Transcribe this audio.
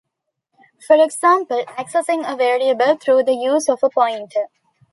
For example, accessing a variable through the use of a pointer.